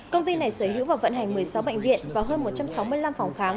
công ty này sở hữu và vận hành một mươi sáu bệnh viện và hơn một trăm sáu mươi năm phòng khám